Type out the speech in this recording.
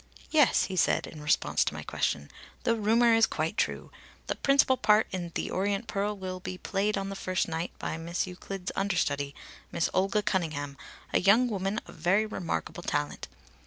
"Yes," he said in response to my question, "The rumour is quite true. The principal part in 'The Orient Pearl' will be played on the first night by Miss Euclid's understudy, Miss Olga Cunningham, a young woman of very remarkable talent.